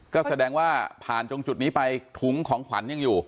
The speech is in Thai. ก็แสดงว่าผ่านตรงจุดนี้ไปถุงของขวัญยังอยู่